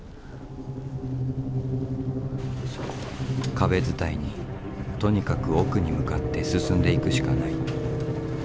壁伝いにとにかく奥に向かって進んでいくしかない。